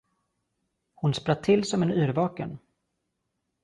Hon spratt till som en yrvaken.